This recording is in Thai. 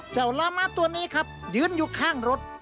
เจ้าลามะตัวนี้ครับยืนอยู่ข้างรถ